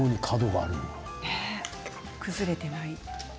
崩れてない。